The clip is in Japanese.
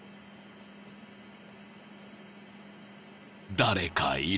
［誰かいる］